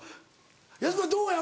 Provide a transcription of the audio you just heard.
安村どうや？